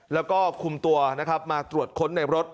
แล้วก็คุมตัวมาตรวจค้นในรถ